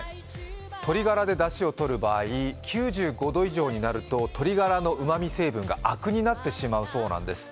鶏ガラでだしをとる場合、９５度以上になると鶏ガラのうまみ成分がアクになってしまうそうなんです。